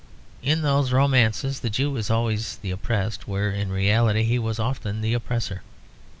In those romances the Jew is always the oppressed where in reality he was often the oppressor.